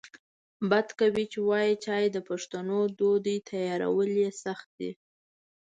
بد کوي چې وایې چای د پښتنو دود دی تیارول یې سخت دی